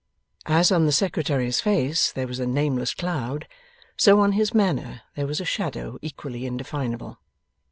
As on the Secretary's face there was a nameless cloud, so on his manner there was a shadow equally indefinable.